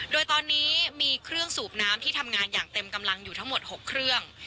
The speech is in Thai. โดยตอนนี้มีเครื่องสูบน้ำที่ทำงานอย่างเต็มกำลังอยู่ทั้งหมด๖เครื่อง